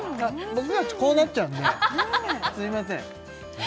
僕たちこうなっちゃうんですいません